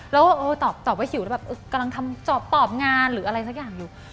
แล้วตอบว่าหิวแล้วแบบกำลังทำตอบงานหรืออะไรสักอย่างอยู่